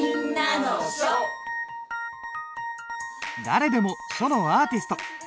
誰でも書のアーティスト！